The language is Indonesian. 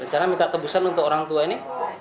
cara minta tebusan untuk orang tua ini